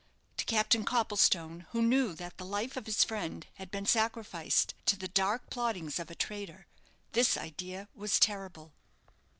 To Captain Copplestone, who knew that the life of his friend had been sacrificed to the dark plottings of a traitor, this idea was terrible.